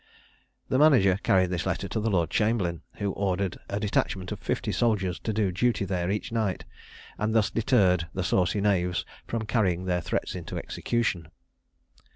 The manager carried this letter to the Lord Chamberlain, who ordered a detachment of fifty soldiers to do duty there each night, and thus deterred the saucy knaves from carrying their threats into execution.